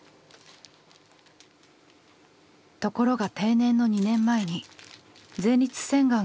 ところが定年の２年前に前立腺がんが発覚。